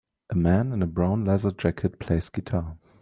A man in a brown leather jacket plays guitar